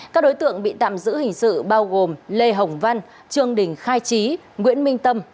các đối tượng bị tạm giữ hình sự bao gồm lê hồng văn trương đình khai trí nguyễn minh tâm